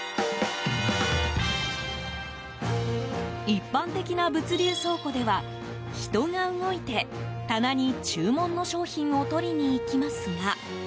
一般的な物流倉庫では人が動いて棚に注文の商品を取りに行きますが。